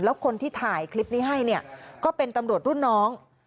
แล้วคนที่ถ่ายคลิปนี้ให้เนี่ยก็เป็นตำรวจรุ่นน้อง